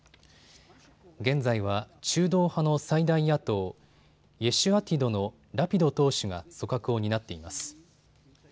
現在は中道派の最大野党、イェシュアティドのラピド党首が組閣を担っています。